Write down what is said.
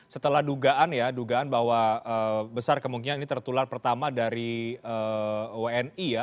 setelah dugaan ya dugaan bahwa besar kemungkinan ini tertular pertama dari wni ya